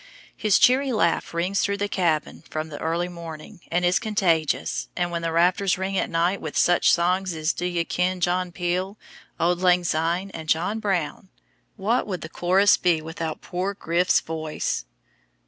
His cheery laugh rings through the cabin from the early morning, and is contagious, and when the rafters ring at night with such songs as "D'ye ken John Peel?" "Auld Lang Syne," and "John Brown," what would the chorus be without poor "Griff's" voice?